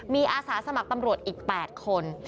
มีอาสาสมัครตำรวจอีก๘คน